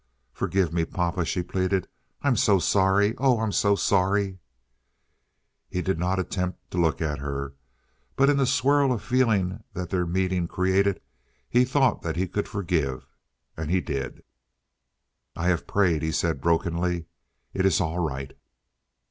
"Forgive me, papa," she pleaded, "I'm so sorry. Oh, I'm so sorry." He did not attempt to look at her, but in the swirl of feeling that their meeting created he thought that he could forgive, and he did. "I have prayed," he said brokenly. "It is all right."